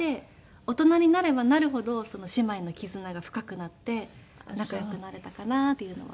大人になればなるほど姉妹の絆が深くなって仲良くなれたかなっていうのは。